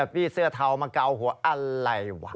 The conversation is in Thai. พี่เสื้อเทามาเกาหัวอะไรวะ